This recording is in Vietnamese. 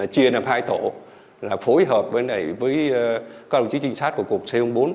chia làm hai tổ là phối hợp với các đồng chí trinh sát của cục c bốn